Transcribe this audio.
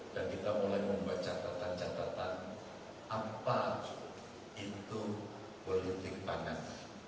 dan kita mulai membuat catatan catatan apa itu politik panas